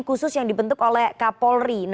khusus yang dibentuk oleh kapolri